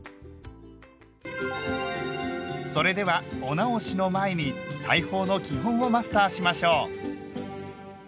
それではお直しの前に裁縫の基本をマスターしましょう。